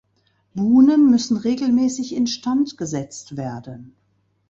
Buhnen müssen regelmäßig instand gesetzt werden.